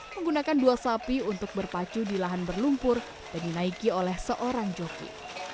menggunakan dua sapi untuk berpacu di lahan berlumpur dan dinaiki oleh seorang joki